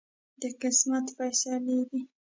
د قسمت فیصلې دي.